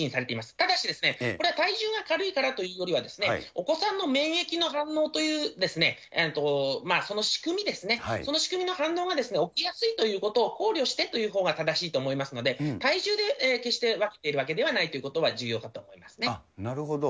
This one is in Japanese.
ただし、これは体重が軽いからというよりは、お子さんの免疫の反応というその仕組みですね、その仕組みの反応が起きやすいということを考慮してというほうが正しいと思いますので、体重で決して分けているわけではないということは重要かと思いまなるほど。